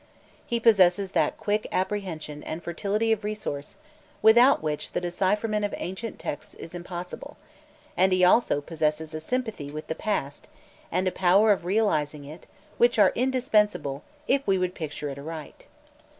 He possesses that quick apprehension and fertility of resource without which the decipherment of ancient texts is impossible, and he also possesses a sympathy with the past and a power of realizing it which are indispensable if we would picture it aright.